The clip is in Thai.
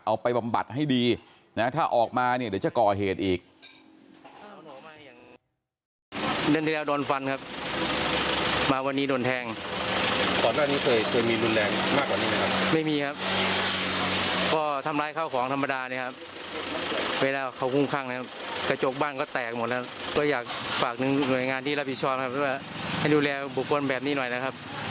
บำบัดให้ดีนะถ้าออกมาเนี่ยเดี๋ยวจะก่อเหตุอีก